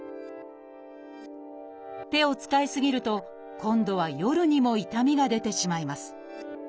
手を使い過ぎると今度は夜にも痛みが出てしまいます。